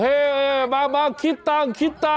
เฮ้มาคิดต่าง